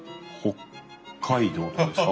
北海道とかですか？